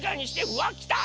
うわきた！